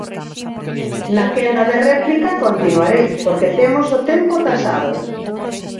Na quenda de réplica continuarei, porque temos o tempo taxado.